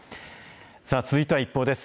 続いてはＩＰＰＯＵです。